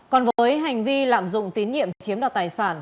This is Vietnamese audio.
còn với hành vi lạm dụng tín nhiệm chiếm đoạt tài sản